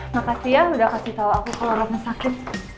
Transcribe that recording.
makasih ya udah kasih tau aku kalo rampok sakit